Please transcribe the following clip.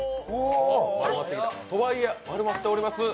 とはいえ、丸まっております。